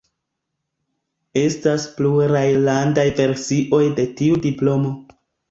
Estas pluraj landaj versioj de tiu diplomo.